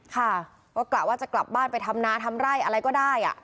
ค่ะก็กะว่าจะกลับบ้านไปทำนาทำไร่อะไรก็ได้